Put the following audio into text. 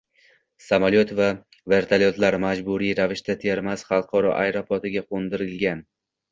Samolyot va vertolyotlar majburiy ravishda Termiz xalqaro aeroportiga qo‘ndirilgan